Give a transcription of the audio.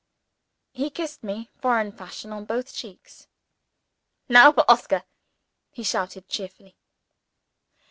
He kissed me, foreign fashion, on both cheeks. "Now for Oscar!" he shouted cheerfully.